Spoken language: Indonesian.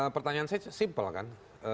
pertanyaan saya simpel kan